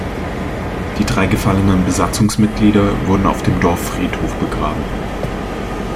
Die drei gefallenen Besatzungsmitglieder wurden auf dem Dorffriedhof begraben.